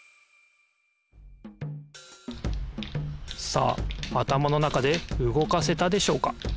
さああたまの中でうごかせたでしょうか？